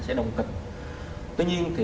sẽ đồng tình tuy nhiên thì